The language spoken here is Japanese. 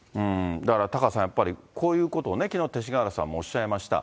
だからタカさん、やっぱりこういうことをきのう、勅使河原さんもおっしゃいました。